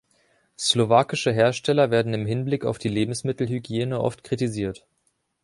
Slowakische Hersteller werden im Hinblick auf die Lebensmittelhygiene oft kritisiert.